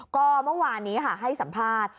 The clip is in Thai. ก็เมื่อวานนี้ค่ะให้สัมภาษณ์